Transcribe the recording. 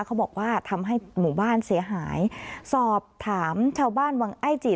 เขาบอกว่าทำให้หมู่บ้านเสียหายสอบถามชาวบ้านวังไอ้จีด